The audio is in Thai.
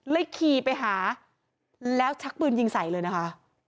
ขี่ไปหาแล้วชักปืนยิงใส่เลยนะคะ